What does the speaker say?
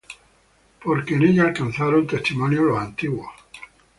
Porque por ella alcanzaron testimonio los antiguos.